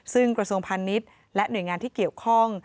ซึ่งกระทรวงพาณิชย์และหน่วยงานที่เกี่ยวข้อง